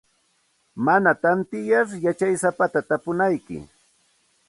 Mana tantiyar yachasapata tapunaykim.